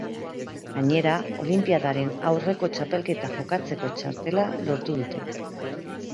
Gainera, olinpiadaren aurreko txapelketa jokatzeko txartela lortu dute.